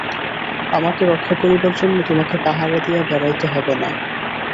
আমাকে রক্ষা করিবার জন্য তোমাকে পাহারা দিয়া বেড়াইতে হইবে না।